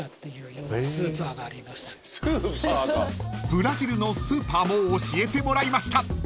［ブラジルのスーパーも教えてもらいました］